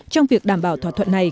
trong việc đảm bảo thỏa thuận này